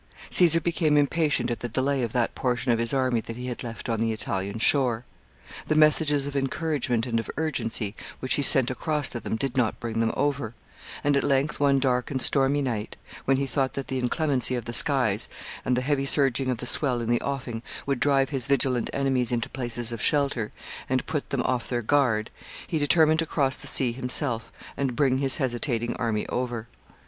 Caesar became impatient at the delay of that portion of his army that he had left on the Italian shore. The messages of encouragement and of urgency which he sent across to them did not bring them over, and at length, one dark and stormy night, when he thought that the inclemency of the skies and the heavy surging of the swell in the offing would drive his vigilant enemies into places of shelter, and put them off their guard, he determined to cross the sea himself and bring his hesitating army over.